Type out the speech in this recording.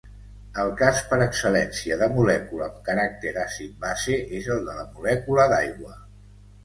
El cas per excel·lència de molècula amb caràcter àcid-base és el de la molècula d'aigua.